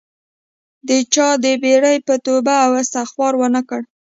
د چا د بیرې مې توبه او استغفار ونه کړ